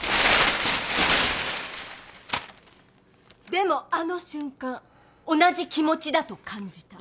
「でもあの瞬間同じ気持ちだと感じた」